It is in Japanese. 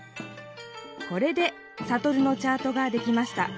これでサトルのチャートができました。